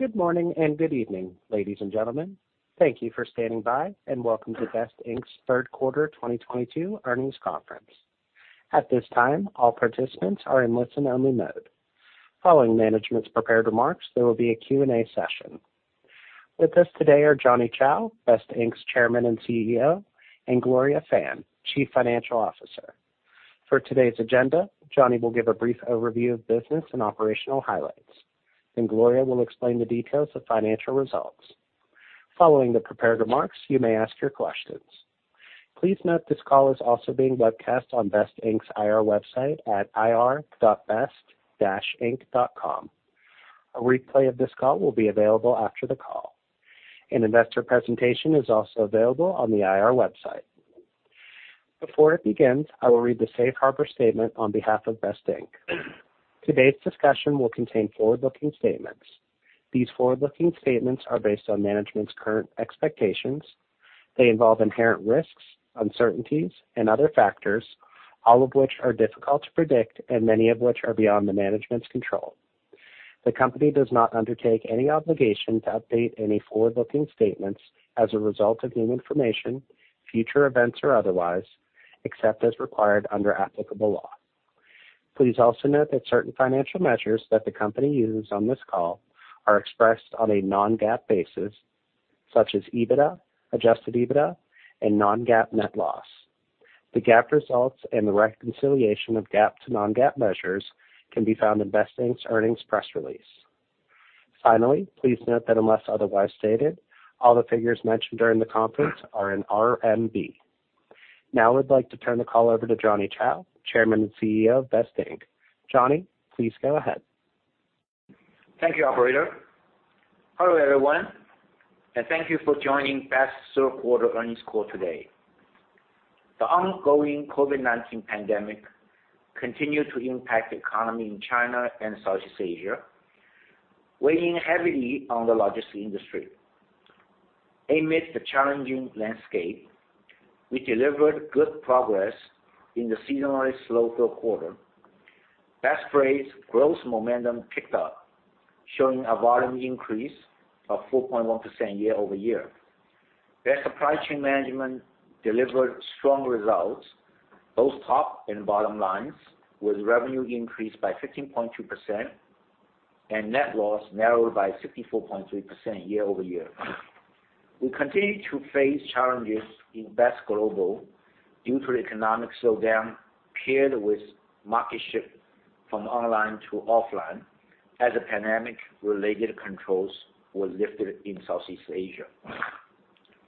Good morning and good evening, ladies and gentlemen. Thank you for standing by, and welcome to BEST Inc.'s third quarter 2022 earnings conference. At this time, all participants are in listen-only mode. Following management's prepared remarks, there will be a Q&A session. With us today are Johnny Chou, BEST Inc.'s Chairman and CEO, and Gloria Fan, Chief Financial Officer. For today's agenda, Johnny will give a brief overview of business and operational highlights, then Gloria will explain the details of financial results. Following the prepared remarks, you may ask your questions. Please note this call is also being webcast on BEST Inc.'s IR website at ir.best-inc.com. A replay of this call will be available after the call. An investor presentation is also available on the IR website. Before it begins, I will read the safe harbor statement on behalf of BEST Inc. Today's discussion will contain forward-looking statements. These forward-looking statements are based on management's current expectations. They involve inherent risks, uncertainties and other factors, all of which are difficult to predict and many of which are beyond the management's control. The company does not undertake any obligation to update any forward-looking statements as a result of new information, future events or otherwise, except as required under applicable law. Please also note that certain financial measures that the company uses on this call are expressed on a non-GAAP basis, such as EBITDA, adjusted EBITDA and non-GAAP net loss. The GAAP results and the reconciliation of GAAP to non-GAAP measures can be found in BEST Inc.'s earnings press release. Finally, please note that unless otherwise stated, all the figures mentioned during the conference are in RMB. Now I'd like to turn the call over to Johnny Chou, Chairman and CEO of BEST Inc. Johnny, please go ahead. Thank you, operator. Hello, everyone, and thank you for joining BEST's third quarter earnings call today. The ongoing COVID-19 pandemic continued to impact the economy in China and Southeast Asia, weighing heavily on the logistics industry. Amid the challenging landscape, we delivered good progress in the seasonally slow third quarter. BEST Freight's growth momentum picked up, showing a volume increase of 4.1% year-over-year. BEST Supply Chain Management delivered strong results, both top and bottom lines, with revenue increased by 15.2% and net loss narrowed by 64.3% year-over-year. We continue to face challenges in BEST Global due to economic slowdown paired with market shift from online to offline as the pandemic-related controls were lifted in Southeast Asia.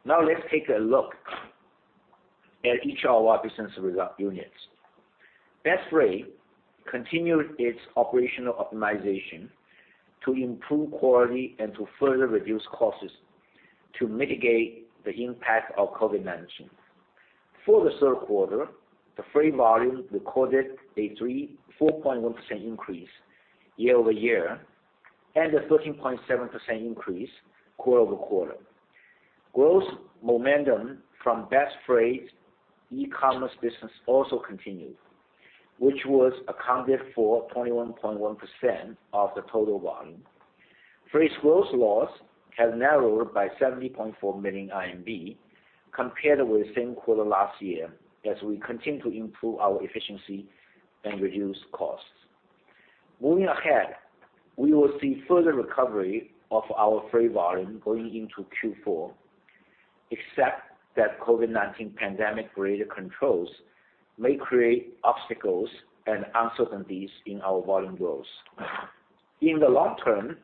Now let's take a look at each of our business units. BEST Freight continued its operational optimization to improve quality and to further reduce costs to mitigate the impact of COVID-19. For the third quarter, the freight volume recorded a 4.1% increase year-over-year and a 13.7% increase quarter-over-quarter. Growth momentum from BEST Freight's e-commerce business also continued, which was accounted for 21.1% of the total volume. BEST Freight's gross loss has narrowed by 70.4 million RMB compared with the same quarter last year as we continue to improve our efficiency and reduce costs. Moving ahead, we will see further recovery of our freight volume going into Q4, except that COVID-19 pandemic-related controls may create obstacles and uncertainties in our volume growth. In the long-term,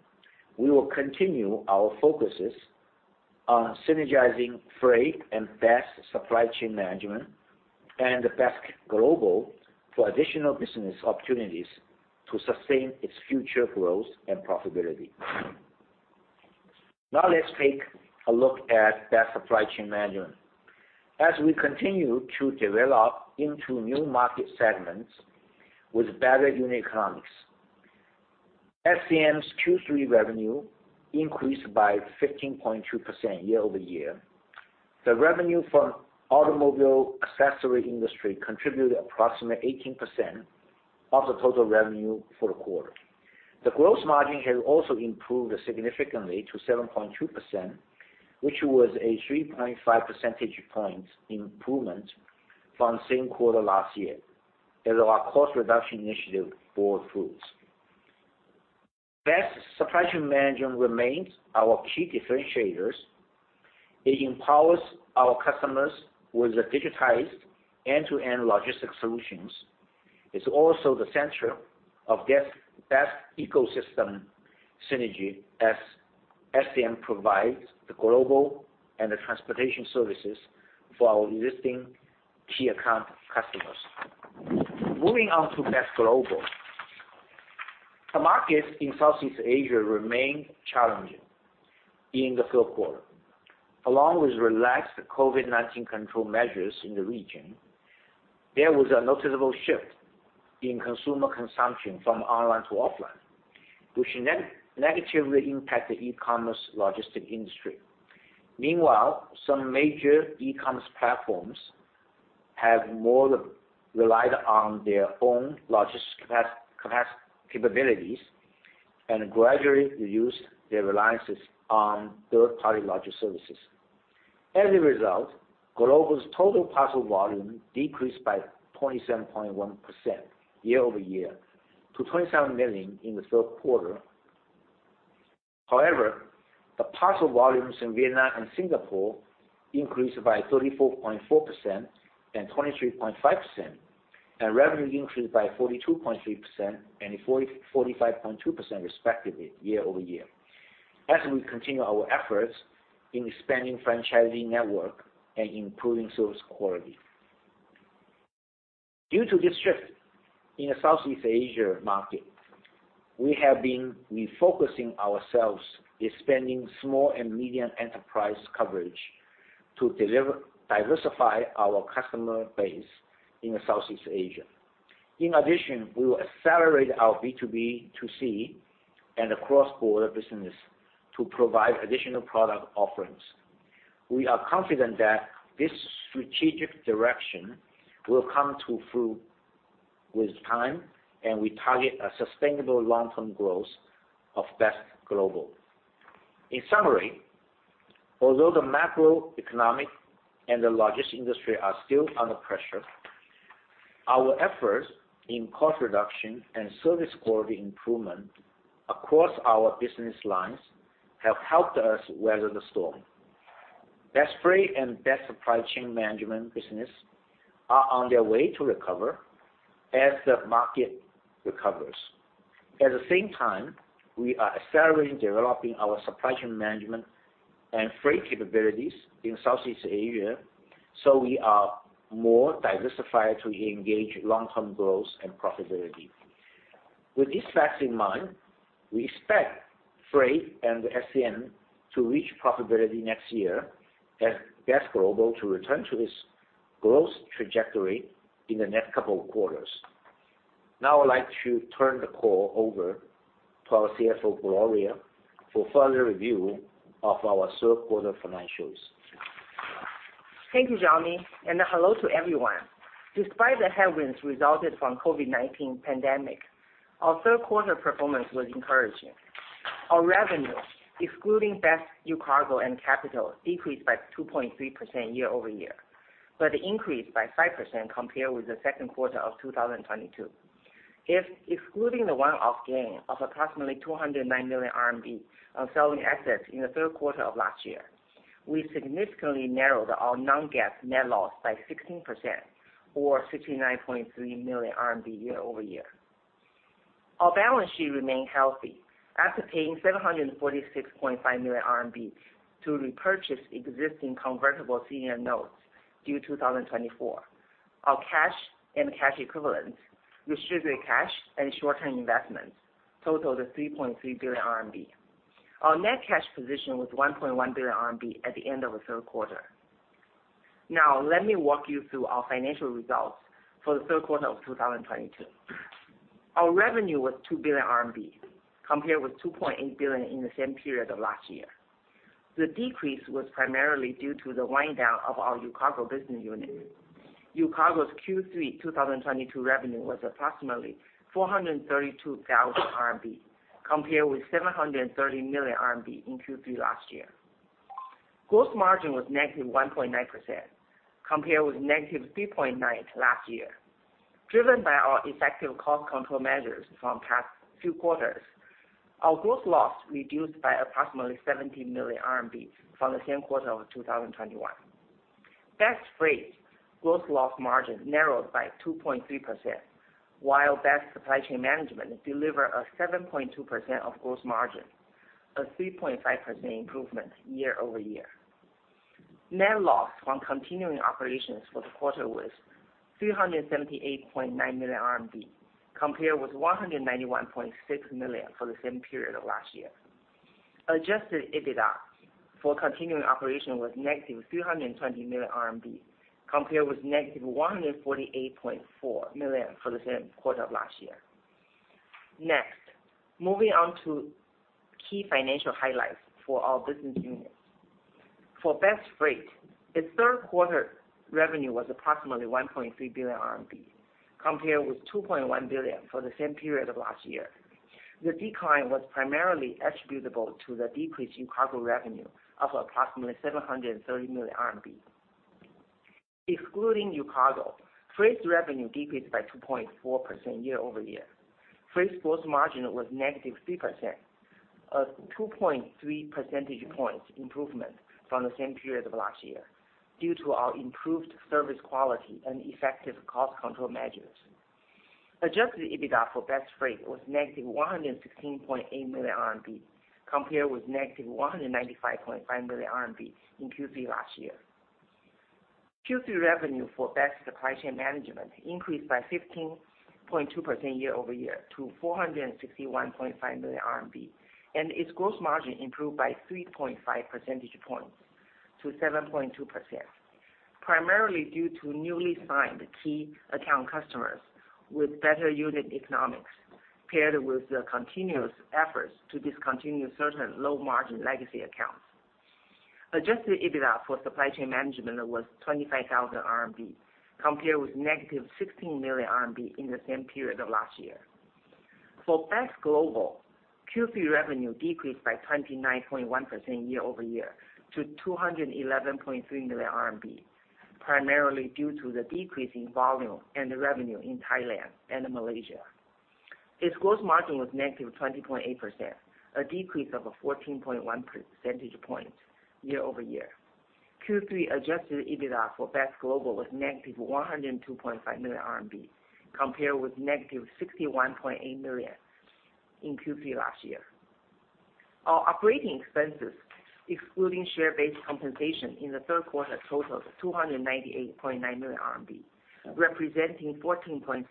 we will continue our focuses on synergizing BEST Freight and BEST Supply Chain Management and BEST Global for additional business opportunities to sustain its future growth and profitability. Now let's take a look at BEST Supply Chain Management. As we continue to develop into new market segments with better unit economics. SCM's Q3 revenue increased by 15.2% year-over-year. The revenue from automobile accessory industry contributed approximately 18% of the total revenue for the quarter. The gross margin has also improved significantly to 7.2%, which was a 3.5 percentage points improvement from same quarter last year as our cost reduction initiative bore fruits. BEST Supply Chain Management remains our key differentiators. It empowers our customers with a digitized end-to-end logistics solutions. It's also the center of BEST ecosystem synergy as SCM provides the global and transportation services for our existing key account customers. Moving on to BEST Global. The markets in Southeast Asia remained challenging in the third quarter. Along with relaxed COVID-19 control measures in the region, there was a noticeable shift in consumer consumption from online to offline, which negatively impacted e-commerce logistics industry. Meanwhile, some major e-commerce platforms have increasingly relied on their own logistics capabilities and gradually reduce their reliance on third-party logistics services. As a result, Global's total parcel volume decreased by 27.1% year-over-year to 27 million in the third quarter. However, the parcel volumes in Vietnam and Singapore increased by 34.4% and 23.5%, and revenue increased by 42.3% and 45.2% respectively year-over-year, as we continue our efforts in expanding franchising network and improving service quality. Due to this shift in the Southeast Asia market, we have been refocusing ourselves expanding small and medium enterprise coverage to diversify our customer base in Southeast Asia. In addition, we will accelerate our B2B2C and cross-border business to provide additional product offerings. We are confident that this strategic direction will come to fruition with time, and we target a sustainable long-term growth of BEST Global. In summary, although the macroeconomic and the logistics industry are still under pressure, our efforts in cost reduction and service quality improvement across our business lines have helped us weather the storm. BEST Freight and BEST Supply Chain Management business are on their way to recover as the market recovers. At the same time, we are accelerating developing our supply chain management and freight capabilities in Southeast Asia, so we are more diversified to engage long-term growth and profitability. With these facts in mind, we expect Freight and SCM to reach profitability next year as BEST Global to return to its growth trajectory in the next couple of quarters. Now I would like to turn the call over to our CFO, Gloria Fan, for further review of our third quarter financials. Thank you, Johnny, and hello to everyone. Despite the headwinds resulted from COVID-19 pandemic, our third quarter performance was encouraging. Our revenue, excluding BEST UCARGO and BEST Capital, decreased by 2.3% year-over-year, but increased by 5% compared with the second quarter of 2022. If excluding the one-off gain of approximately 209 million RMB on selling assets in the third quarter of last year, we significantly narrowed our non-GAAP net loss by 16% or 69.3 million RMB year-over-year. Our balance sheet remained healthy after paying 746.5 million RMB to repurchase existing Convertible Senior Notes due 2024. Our cash and cash equivalents, restricted cash, and short-term investments totaled 3.3 billion RMB. Our net cash position was 1.1 billion RMB at the end of the third quarter. Now, let me walk you through our financial results for the third quarter of 2022. Our revenue was 2 billion RMB, compared with 2.8 billion in the same period of last year. The decrease was primarily due to the wind down of our UCARGO business unit. UCARGO's Q3 2022 revenue was approximately 432,000 RMB, compared with 730 million RMB in Q3 last year. Gross margin was -1.9%, compared with -3.9% last year. Driven by our effective cost control measures from past few quarters, our gross loss reduced by approximately 70 million RMB from the same quarter of 2021. BEST Freight gross loss margin narrowed by 2.3%, while BEST Supply Chain Management delivered a 7.2% gross margin, a 3.5% improvement year-over-year. Net loss from continuing operations for the quarter was 378.9 million RMB, compared with 191.6 million for the same period of last year. Adjusted EBITDA for continuing operation was -320 million RMB, compared with -148.4 million for the same quarter of last year. Next, moving on to key financial highlights for our business units. For BEST Freight, its third quarter revenue was approximately 1.3 billion RMB, compared with 2.1 billion for the same period of last year. The decline was primarily attributable to the decreased UCARGO revenue of approximately 730 million RMB. Excluding UCARGO, Freight's revenue decreased by 2.4% year-over-year. Freight's gross margin was -3%, a 2.3 percentage points improvement from the same period of last year due to our improved service quality and effective cost control measures. Adjusted EBITDA for BEST Freight was -116.8 million RMB, compared with -195.5 million RMB in Q3 last year. Q3 revenue for BEST Supply Chain Management increased by 15.2% year-over-year to 461.5 million RMB, and its gross margin improved by 3.5 percentage points to 7.2%, primarily due to newly signed key account customers with better unit economics, paired with the continuous efforts to discontinue certain low-margin legacy accounts. Adjusted EBITDA for Supply Chain Management was 25 million RMB, compared with negative 16 million RMB in the same period of last year. For BEST Global, Q3 revenue decreased by 29.1% year-over-year to 211.3 million RMB, primarily due to the decrease in volume and the revenue in Thailand and Malaysia. Its gross margin was negative 20.8%, a decrease of 14.1 percentage points year-over-year. Q3 adjusted EBITDA for BEST Global was -102.5 million RMB, compared with negative 61.8 million in Q3 last year. Our operating expenses, excluding share-based compensation in the third quarter, totaled 298.9 million RMB, representing 14.7%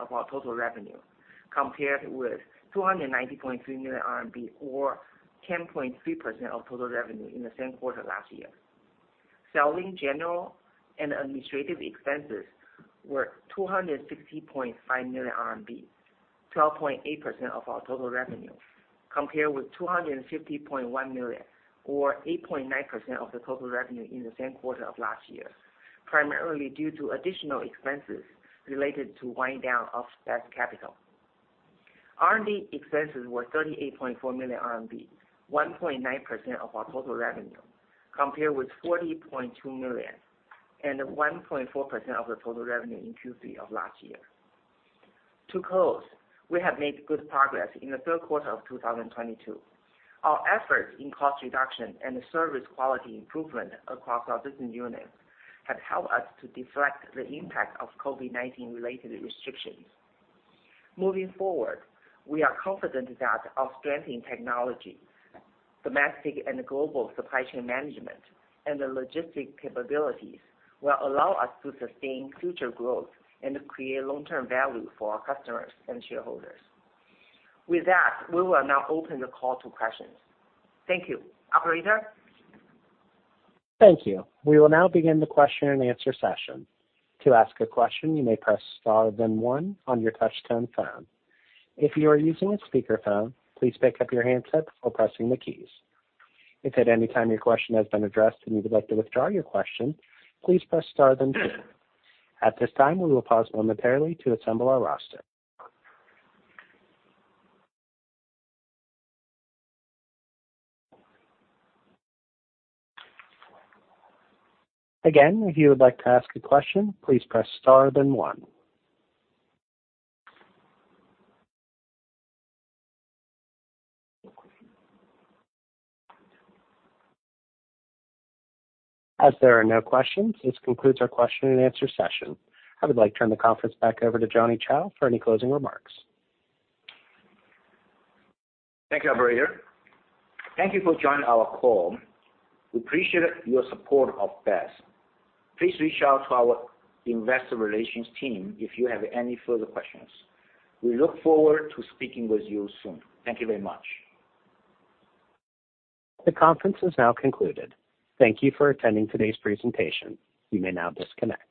of our total revenue, compared with 290.3 million RMB or 10.3% of total revenue in the same quarter last year. Selling general and administrative expenses were 260.5 million RMB, 12.8% of our total revenue, compared with 250.1 million or 8.9% of the total revenue in the same quarter of last year, primarily due to additional expenses related to wind down of BEST Capital. R&D expenses were 38.4 million RMB, 1.9% of our total revenue, compared with 40.2 million and 1.4% of the total revenue in Q3 of last year. To close, we have made good progress in the third quarter of 2022. Our efforts in cost reduction and service quality improvement across our business units have helped us to deflect the impact of COVID-19 related restrictions. Moving forward, we are confident that our strength in technology, domestic and global supply chain management, and the logistics capabilities will allow us to sustain future growth and create long-term value for our customers and shareholders. With that, we will now open the call to questions. Thank you. Operator? Thank you. We will now begin the question-and-answer session. To ask a question, you may press star then one on your touchtone phone. If you are using a speakerphone, please pick up your handset before pressing the keys. If at any time your question has been addressed and you would like to withdraw your question, please press star then two. At this time, we will pause momentarily to assemble our roster. Again, if you would like to ask a question, please press star then one. As there are no questions, this concludes our question-and-answer session. I would like to turn the conference back over to Johnny Chou for any closing remarks. Thank you, operator. Thank you for joining our call. We appreciate your support of BEST. Please reach out to our investor relations team if you have any further questions. We look forward to speaking with you soon. Thank you very much. The conference is now concluded. Thank you for attending today's presentation. You may now disconnect.